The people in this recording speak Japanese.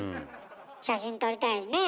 写真撮りたいねえ。